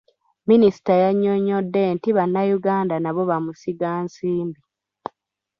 Minisita yannyonnyodde nti bannayuganda nabo bamusigansimbi.